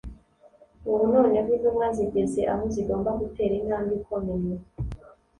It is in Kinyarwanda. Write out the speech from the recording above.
Ubu noneho intumwa zigeze aho zigomba gutera intambwe ikomeye